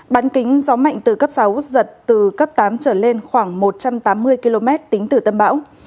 bán kính gió mạnh từ cấp sáu giật từ cấp tám trở lên khoảng một trăm tám mươi km tính từ tâm bão